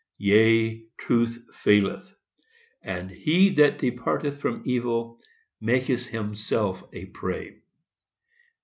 Yea, Truth faileth; And HE THAT DEPARTETH FROM EVIL MAKETH HIMSELF A PREY.